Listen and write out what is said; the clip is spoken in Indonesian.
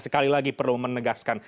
sekali lagi perlu menegaskan